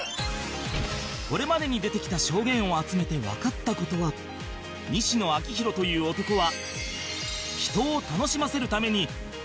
これまでに出てきた証言を集めてわかった事は西野亮廣という男は